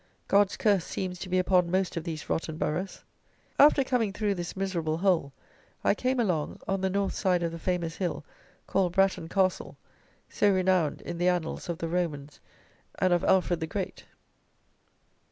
God's curse seems to be upon most of these rotten boroughs. After coming through this miserable hole, I came along, on the north side of the famous hill, called Bratton Castle, so renowned in the annals of the Romans and of Alfred the Great.